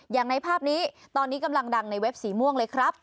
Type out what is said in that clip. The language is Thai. อย่างในภาพนี้ตอนนี้กำลังดังในเว็บสีม่วงเลยครับ